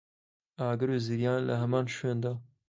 ئاگر و زریان لە هەمان شوێندا